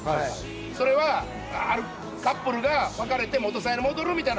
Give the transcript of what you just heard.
それはあるカップルが別れて元サヤに戻るみたいな曲なのよ。